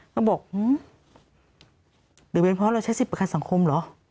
เขาบอกหื้อหรือเป็นเพราะเราใช้ศิษย์ประการสังคมเหรอ